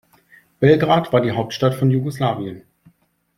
Belgrad war die Hauptstadt von Jugoslawien.